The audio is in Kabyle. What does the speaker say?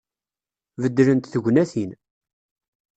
Beddlent tegnatin.